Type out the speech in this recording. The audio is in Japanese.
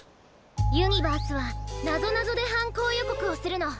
ユニバースはなぞなぞではんこうよこくをするの。